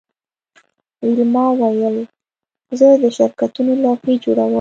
ویلما وویل زه د شرکتونو لوحې جوړوم